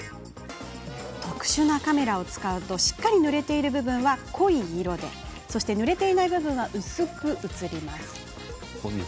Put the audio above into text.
特殊なカメラを使うとしっかり塗れている部分は濃い色で塗れていない部分は薄く映ります。